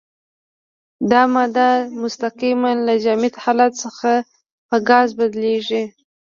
دا ماده مستقیماً له جامد حالت څخه په ګاز بدلیږي.